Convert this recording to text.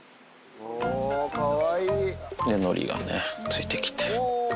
で、のりがね、ついてきて。